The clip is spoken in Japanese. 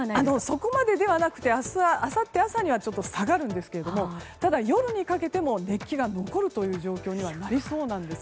そこまでではなくてあさって朝には下がるんですがただ、夜にかけても熱気が残るという状況にはなりそうです。